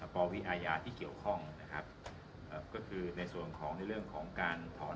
ปวิอาญาที่เกี่ยวข้องนะครับก็คือในส่วนของในเรื่องของการถอน